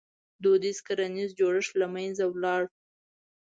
• دودیز کرنیز جوړښت له منځه ولاړ.